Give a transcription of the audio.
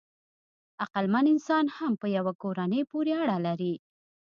عقلمن انسان هم په یوه کورنۍ پورې اړه لري.